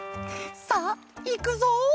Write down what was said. さあいくぞ」。